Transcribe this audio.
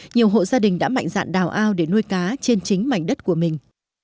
nhiều hộ gia đình đã mạnh dạn đào ao để nuôi cá trên chính mảnh đất của mình